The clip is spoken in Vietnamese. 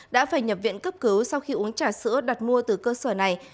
đã phải nhập viện cấp cứu sau khi uống trà sữa đặt mua từ cơ sở này